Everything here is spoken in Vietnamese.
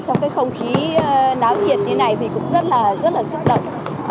trong không khí náo kiệt như này rất là xúc động